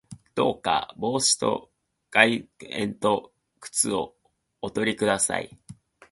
どうか帽子と外套と靴をおとり下さい